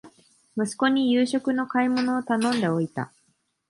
息子に夕食の買い物を頼んでおいた